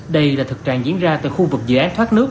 đây là thực trạng diễn ra tại khu vực dự án thoát nước